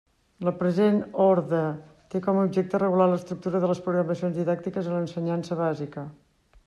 La present orde té com a objecte regular l'estructura de les programacions didàctiques en l'ensenyança bàsica.